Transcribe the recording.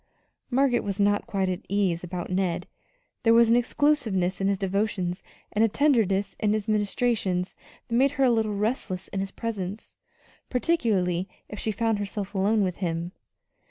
Margaret was not quite at ease about Ned. There was an exclusiveness in his devotions, and a tenderness in his ministrations that made her a little restless in his presence, particularly if she found herself alone with him.